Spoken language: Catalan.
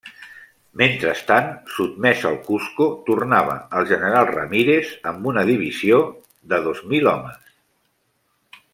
Mentrestant, sotmès el Cusco tornava el general Ramírez amb una divisió de dos mil homes.